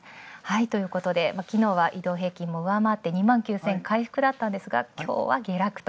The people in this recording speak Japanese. ということできのうは移動平均も上回って、２万９０００円回復でしたが今日は下落と。